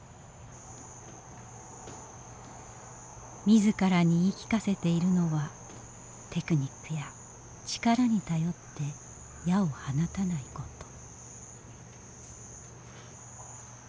自らに言い聞かせているのはテクニックや力に頼って矢を放たないこと。